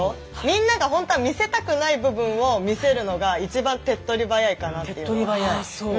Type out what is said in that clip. みんながほんとは見せたくない部分を見せるのが一番手っ取り早いかなっていうのは。